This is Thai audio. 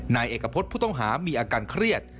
นายเอกพฤษผู้ต้องหามีอาการเครียด